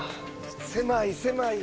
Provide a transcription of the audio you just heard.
狭い狭いよ